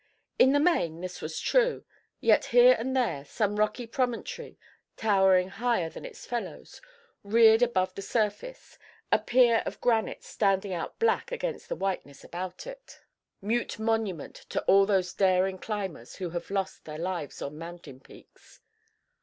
In the main this was true, yet here and there some rocky promontory, towering higher than its fellows, reared itself above the surface, a pier of granite standing out black against the whiteness about it, mute monument to all those daring climbers who have lost their lives on mountain peaks.